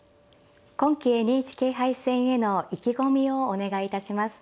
今期ＮＨＫ杯戦への意気込みをお願いいたします。